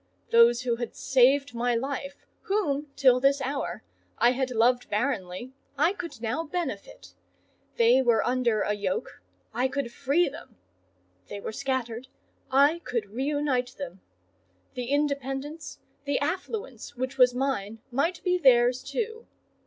Those who had saved my life, whom, till this hour, I had loved barrenly, I could now benefit. They were under a yoke,—I could free them: they were scattered,—I could reunite them: the independence, the affluence which was mine, might be theirs too.